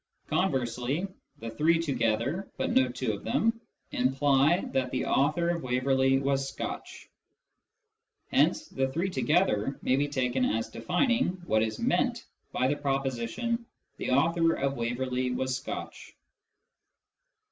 Conversely, the three together (but no two of them) imply that the author of Waverley was Scotch. Hence the three together may be taken as defining what is meant by the proposition " the author of Waverley was Scotch."